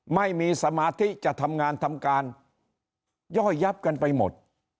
ไม่มีสมาธิจะทำงานทำการย่อยยับกันไปหมด